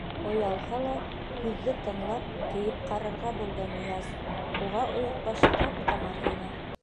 Оялһа ла, һүҙҙе тыңлап, кейеп ҡарарға булды Нияз, уға ойоҡбаш тап-таман ине.